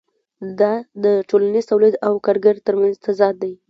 دا د ټولنیز تولید او کارګر ترمنځ تضاد دی